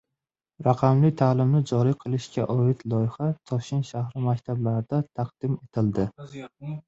Raqamli ta’limni joriy qilishga oid loyiha Toshkent shahri maktablarida taqdim etildi